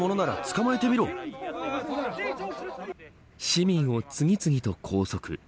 市民を次々と拘束。